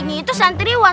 kandingi itu santriwan